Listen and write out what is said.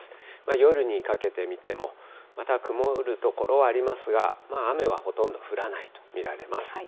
夜にかけて見ても、また曇る所はありますが、雨はほとんど降らないと見られます。